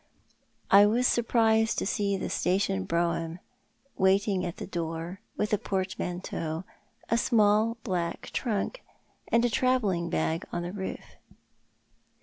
I was surprised to find the station brougham waiting at tho door, with a portmanteau, a small black trunk, and a travelling bag on the roof.